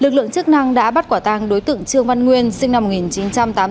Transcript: lực lượng chức năng đã bắt quả tang đối tượng trương văn nguyên sinh năm một nghìn chín trăm tám mươi tám